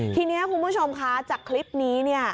ทีนี้คุณผู้ชมคะจากคลิปนี้เนี่ย